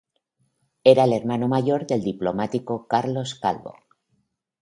Era el hermano mayor del diplomático Carlos Calvo.